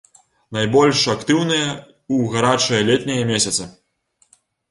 Найбольш актыўныя ў гарачыя летнія месяцы.